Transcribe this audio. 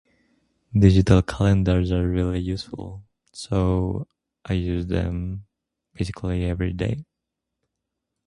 Digital calendars are really useful, so I use them physically every day.